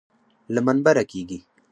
له منبره کېږي.